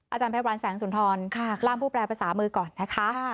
อาจารย์แพทย์วันแสงสุนทรล่ามผู้แปรประสามือก่อนนะคะ